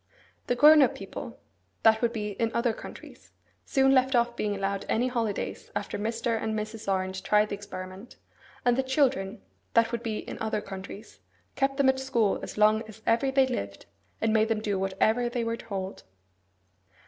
The grown up people (that would be in other countries) soon left off being allowed any holidays after Mr. and Mrs. Orange tried the experiment; and the children (that would be in other countries) kept them at school as long as ever they lived, and made them do whatever they were told.